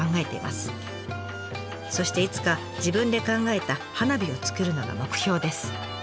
そしていつか自分で考えた花火を作るのが目標です。